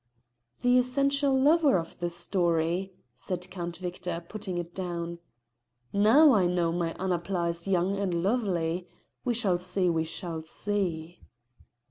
"The essential lover of the story," said Count Victor, putting it down. "Now I know my Annapla is young and lovely. We shall see we shall see!"